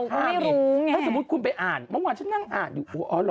หรือสมมติคุณไปอ่านไม่ว่าฉันนั่งอ่านอยู่